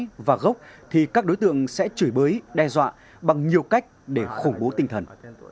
trong quá trình vay và gốc thì các đối tượng sẽ chửi bới đe dọa bằng nhiều cách để khủng bố tinh thần